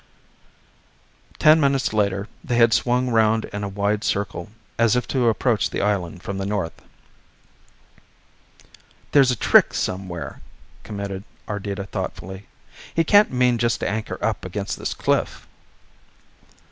Ten minutes later they had swung round in a wide circle as if to approach the island from the north. "There's a trick somewhere," commented Ardita thoughtfully. "He can't mean just to anchor up against this cliff."